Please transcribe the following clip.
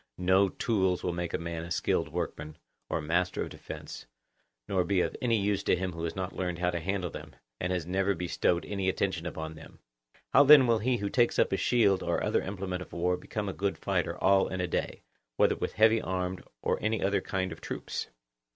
No tools will make a man a skilled workman, or master of defence, nor be of any use to him who has not learned how to handle them, and has never bestowed any attention upon them. How then will he who takes up a shield or other implement of war become a good fighter all in a day, whether with heavy armed or any other kind of troops?